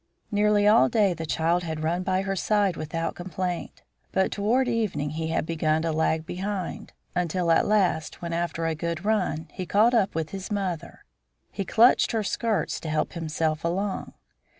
Nearly all day the child had run by her side without complaint. But toward evening he had begun to lag behind, until at last, when, after a good run, he caught up with his mother, he clutched her skirts to help himself along.